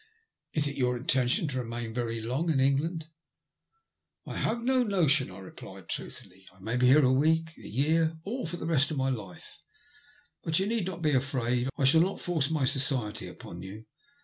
Is it your intention to remain very long in England?" " I have no notion," I replied, truthfully. "I may J ENGLAND ONCE MOBE. 41 be here a week — a year — or for the rest of my life. But you need not be afraid, I shall not force my society upon you.